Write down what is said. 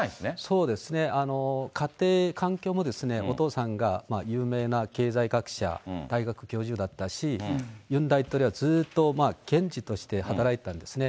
そうですね、家庭環境もお父さんが有名な経済学者、大学教授だったし、ユン大統領はずっと検事として働いたんですね。